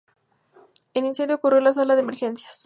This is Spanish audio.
El incendio ocurrió en la sala de emergencias.